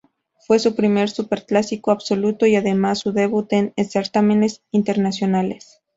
Fue su primer "superclásico" absoluto, y además, su debut en certámenes internacionales.